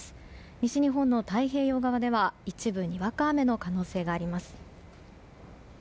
西日本の太平洋側では一部にわか雨の可能性があります。